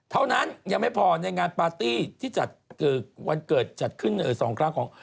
เท่านั้นยังไม่พอในงานปาร์ตี้ที่จัดวันเกิดจัดขึ้น๒ครั้งของ